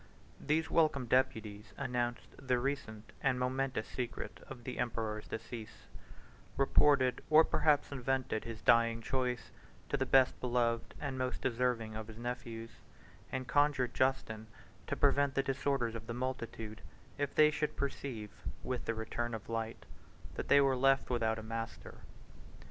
These welcome deputies announced the recent and momentous secret of the emperor's decease; reported, or perhaps invented, his dying choice of the best beloved and most deserving of his nephews, and conjured Justin to prevent the disorders of the multitude, if they should perceive, with the return of light, that they were left without a master.